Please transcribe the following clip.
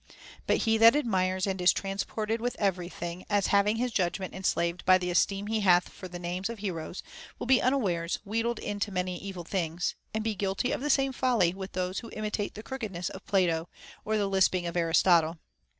But he that ad mires and is transported with every thing, as having his judgment enslaved by the esteem he hath for the names of heroes, will be unawares wheedled into many evil things, and be guilty of the same folly with those who imitate the crookedness of Plato or the lisping of Aristotle.